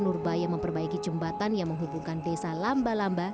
nurbaya memperbaiki jembatan yang menghubungkan desa lamba lamba